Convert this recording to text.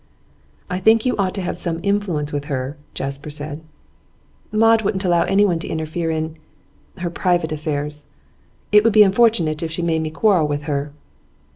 'I think you ought to have some influence with her,' Jasper said. 'Maud won't allow anyone to interfere in her private affairs.' 'It would be unfortunate if she made me quarrel with her.